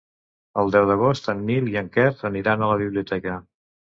El deu d'agost en Nil i en Quer aniran a la biblioteca.